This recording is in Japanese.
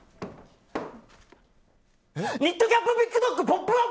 ニットキャップイヌバックキック「ポップＵＰ！」